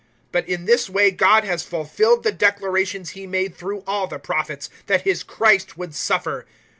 003:018 But in this way God has fulfilled the declarations He made through all the Prophets, that His Christ would suffer.